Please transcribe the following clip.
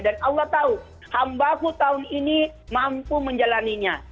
dan allah tahu hambaku tahun ini mampu menjalannya